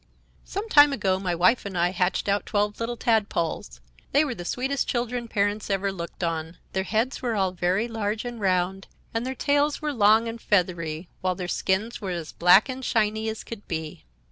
"Some time ago my wife and I hatched out twelve little tadpoles. They were the sweetest children parents ever looked on. Their heads were all very large and round, and their tails were long and feathery, while their skins were as black and shiny as could be.